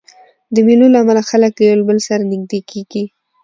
د مېلو له امله خلک له یو بل سره نږدې کېږي.